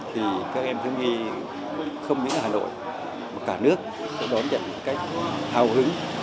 thì các em thương nghi không chỉ hà nội mà cả nước sẽ đón nhận một cách hào hứng